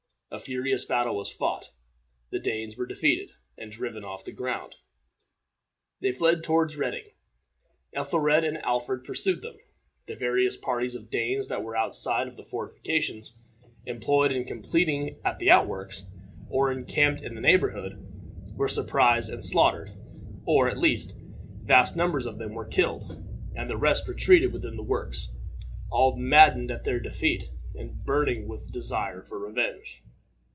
A furious battle was fought. The Danes were defeated, and driven off the ground. They fled toward Reading. Ethelred and Alfred pursued them. The various parties of Danes that were outside of the fortifications, employed in completing the outworks, or encamped in the neighborhood, were surprised and slaughtered; or, at least, vast numbers of them were killed, and the rest retreated within the works all maddened at their defeat, and burning with desire for revenge.